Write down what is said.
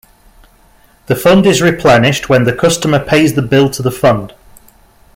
The fund is replenished when the customer pays the bill to the fund.